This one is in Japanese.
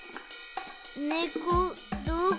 ねこどこ？